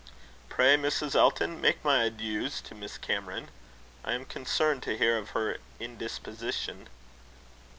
"Pray, Mrs. Elton, make my adieus to Miss Cameron. I am concerned to hear of her indisposition."